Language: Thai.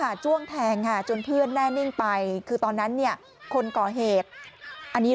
จ้วงแทงค่ะจนเพื่อนแน่นิ่งไปคือตอนนั้นเนี่ยคนก่อเหตุอันนี้